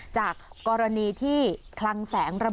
จากกรณีที่คลังแสง